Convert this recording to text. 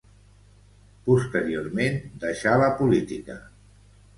Posteriorment deixà la política.